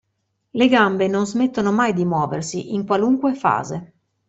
Le gambe non smettono mai di muoversi, in qualunque fase.